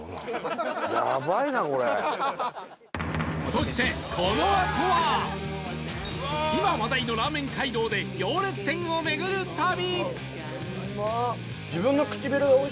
そしてこのあとは今話題のラーメン街道で行列店を巡る旅